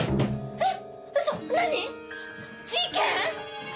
えっ！？